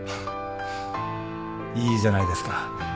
いいじゃないですか。